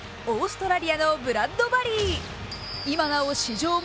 オーストラリアのブラッドバリー今なお史上